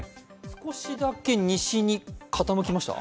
少しだけ西に傾きました？